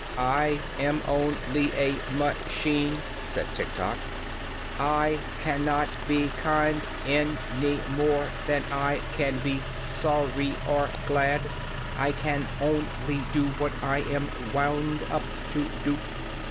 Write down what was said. "I am on ly a ma chine," said Tiktok. "I can not be kind an y more than I can be sor ry or glad. I can on ly do what I am wound up to do."